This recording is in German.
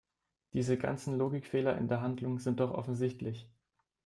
Diese ganzen Logikfehler in der Handlung sind doch offensichtlich!